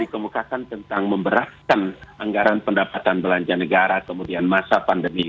dikemukakan tentang memberatkan anggaran pendapatan belanja negara kemudian masa pandemi